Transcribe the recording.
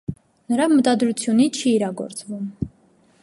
Նրա մտադրությունի չի իրագործվում։